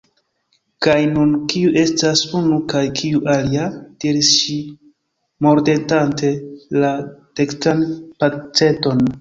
"Kaj nun kiu estas 'unu' kaj kiu 'alia'?" diris ŝi mordetante la dekstran peceton.